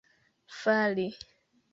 fali